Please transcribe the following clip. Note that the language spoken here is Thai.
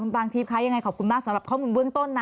บางทิพย์คะยังไงขอบคุณมากสำหรับข้อมูลเบื้องต้นนะ